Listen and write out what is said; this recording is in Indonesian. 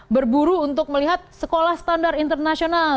berburu untuk melihat sekolah standar internasional